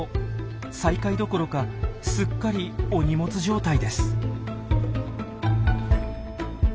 最下位どころかすっかりお荷物状態です。